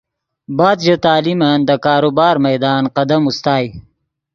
بعد ژے تعلیمن دے کاروبار میدان قدم اوستائے